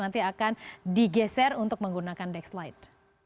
nanti akan digeser untuk menggunakan dexlite